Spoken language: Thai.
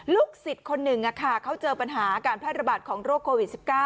ลูกศิษย์คนหนึ่งเขาเจอปัญหาการแพร่ระบาดของโรคโควิด๑๙